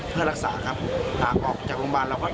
เพื่อรักษาครับหากออกจากโรงพยาบาลเราก็